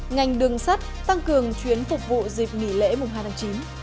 ngành đường sắt tăng cường chuyến phục vụ dịp nghỉ lễ mùng hai tháng chín